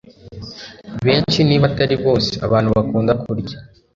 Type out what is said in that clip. benshi, niba atari bose, abantu bakunda kurya